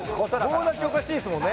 棒立ちおかしいですもんね。